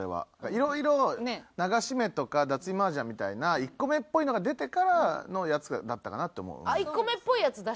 いろいろ「流し目」とか「脱衣麻雀」みたいな１個目っぽいのが出てからのやつだったかなって思う。